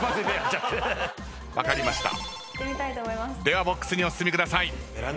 ではボックスにお進みください。